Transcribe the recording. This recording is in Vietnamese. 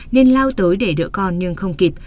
nên lao tới để đỡ con nhưng không kịp